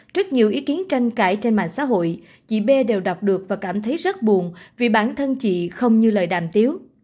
trước nhiều ý kiến tranh cãi trên mạng xã hội chị b đều đọc được và cảm thấy rất buồn vì bản thân chị không như lời đàm tiếng